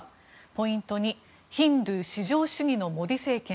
ポイント２ヒンドゥー至上主義のモディ政権